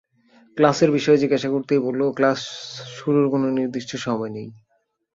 ক্লাসের বিষয়ে জিজ্ঞাসা করতেই বলল, ক্লাস শুরুর কোনো নির্দিষ্ট সময় নেই।